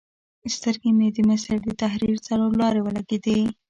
سترګې مې د مصر د تحریر څلور لارې ولګېدې.